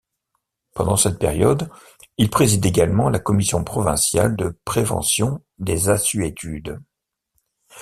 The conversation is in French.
Pendant cette période, il préside également la Commission Provinciale de Prévention des Assuétudes.